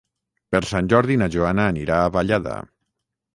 Per Sant Jordi na Joana anirà a Vallada.